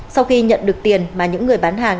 sau khi nhận được tiền mà những người bán hàng